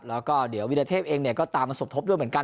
แล้วก็เดี๋ยววิรเทพเองเนี่ยก็ตามมาสมทบด้วยเหมือนกัน